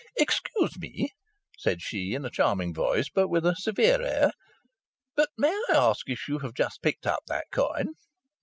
"Excuse me," said she, in a charming voice, but with a severe air. "But may I ask if you have just picked up that coin?"